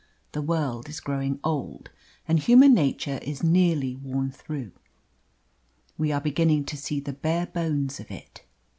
The world is growing old, and human nature is nearly worn through; we are beginning to see the bare bones of it.